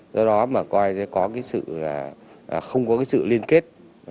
do đó mà coi sẽ có cái sự là không có cái sự liên kết